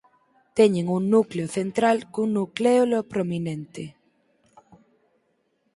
Teñen un núcleo central cun nucléolo prominente.